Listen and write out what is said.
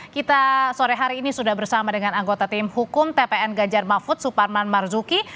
kita sore hari ini sudah bersama dengan anggota tim hukum tpn ganjar mahfud suparman marzuki